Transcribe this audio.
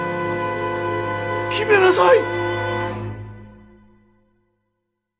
決めなさい。